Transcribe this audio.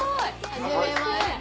はじめまして。